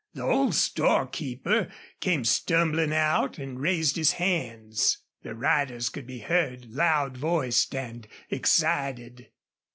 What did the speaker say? The old storekeeper came stumbling out and raised his hands. The riders could be heard, loud voiced and excited.